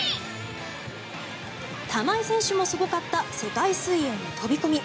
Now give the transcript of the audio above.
玉井選手もすごかった世界水泳の飛込。